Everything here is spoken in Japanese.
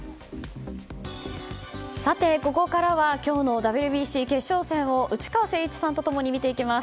さて、ここからは今日のＷＢＣ決勝戦を内川聖一さんと共に見ていきます。